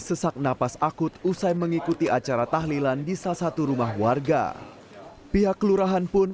sesak napas akut usai mengikuti acara tahlilan di salah satu rumah warga pihak kelurahan pun